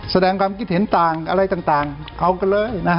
แสดงความคิดเห็นต่างอะไรต่างเอากันเลยนะฮะ